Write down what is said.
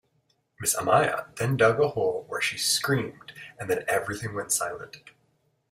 Mrs. Amaya then dug a hole where she screamed and then everything went silent.